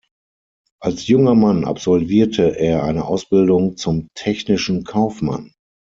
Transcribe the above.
Als junger Mann absolvierte er eine Ausbildung zum technischen Kaufmann.